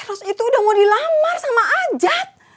eh eros itu udah mau dilamar sama ajat